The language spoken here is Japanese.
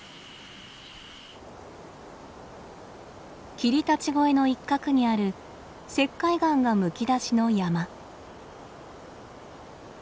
霧立越の一角にある石灰岩がむき出しの山。